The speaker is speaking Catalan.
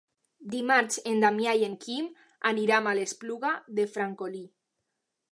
Dimarts en Damià i en Quim aniran a l'Espluga de Francolí.